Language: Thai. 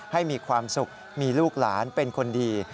ให้มีความสุขมีลูกหลานเป็นคนดี